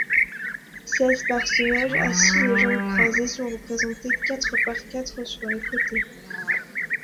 Seize personnages assis les jambes croisées sont représentés quatre par quatre sur les côtés.